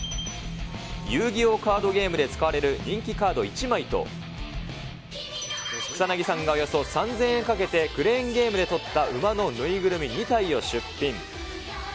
遊戯王カードゲームで使われる人気カード１枚と、草薙さんがおよそ３０００円かけてクレーンゲームで取った馬の縫いぐるみ２体を出品。